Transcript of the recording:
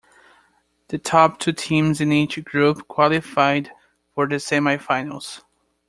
The top two teams in each group qualified for the semi-finals.